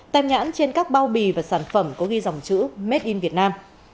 tem nhãn trên các bao bì và sản phẩm có ghi dòng chữ made in vietnam